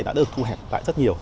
đã được thu hẹp lại rất nhiều